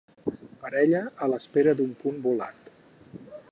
Parella a l'espera d'un punt volat.